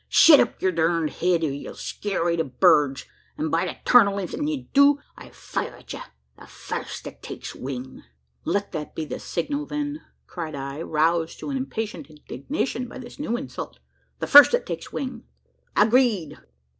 Shet up yur durned head, or ye'll scare away the birds! an', by the tarnal! ef you do, I'll fire at ye, the fust that takes wing!" "Let that be the signal, then!" cried I, roused to an impatient indignation by this new insult: "the first that takes wing!" "Agreed!"